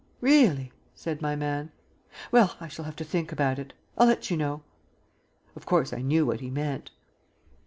"Really?" said my man. "Well, I shall have to think about it. I'll let you know." Of course, I knew what he meant.